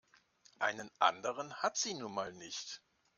Einen anderen hat sie nun mal nicht.